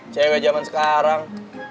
cewek jaman sekarang